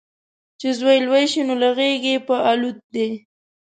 چې زوی لوی شي، نو له غیږې په الوت دی